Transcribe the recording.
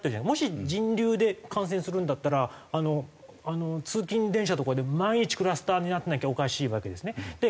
もし人流で感染するんだったら通勤電車とかで毎日クラスターにならなきゃおかしいわけですね。